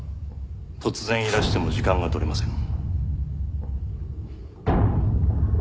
突然いらしても時間が取れません。